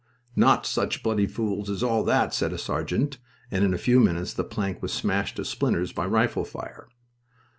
"Not such bloody fools as all that!" said a sergeant, and in a few minutes the plank was smashed to splinters by rifle fire.